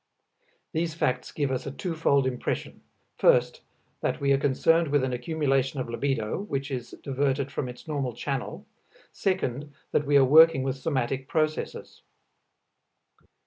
These facts give us a twofold impression, first that we are concerned with an accumulation of libido, which is diverted from its normal channel, second that we are working with somatic processes.